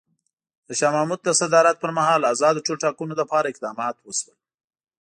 د شاه محمود د صدارت پر مهال ازادو ټولټاکنو لپاره اقدامات وشول.